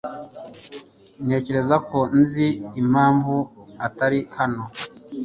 Ntekereza ko nzi impamvu atari hano.